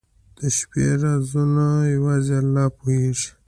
• د شپې رازونه یوازې الله پوهېږي.